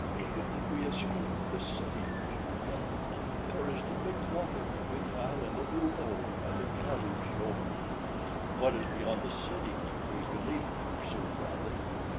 "Even if we escaped the city," she replied, "there is the big water between the island of Oo oh and the Galu shore." "And what is beyond the city, if we could leave it?" pursued Bradley.